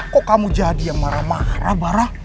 kok kamu jadi yang marah marah barah